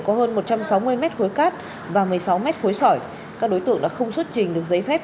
có hơn một trăm sáu mươi mét khối cát và một mươi sáu mét khối sỏi các đối tượng đã không xuất trình được giấy phép